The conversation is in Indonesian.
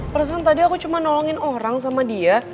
perasaan tadi aku cuma nolongin orang sama dia